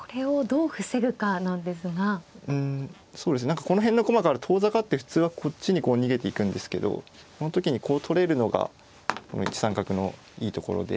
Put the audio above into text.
何かこの辺の駒から遠ざかって普通はこっちにこう逃げていくんですけどその時にこう取れるのがこの１三角のいいところで。